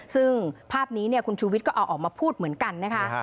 ซึ่งภาพนี้คุณชูวิทย์ก็เอาออกมาพูดเหมือนกันนะคะ